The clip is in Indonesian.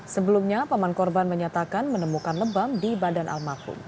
sebelumnya paman korban menyatakan menemukan lebam di badan almarhum